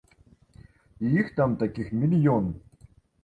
І іх там такіх мільён!